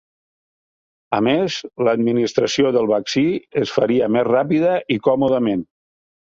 A més, l'administració del vaccí es faria més ràpida i còmodament.